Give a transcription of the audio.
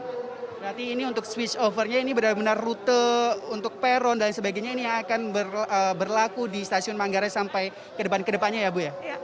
berarti ini untuk switch overnya ini benar benar rute untuk peron dan sebagainya ini akan berlaku di stasiun manggare sampai ke depannya ya bu ya